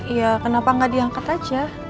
iya kenapa gak diangkat aja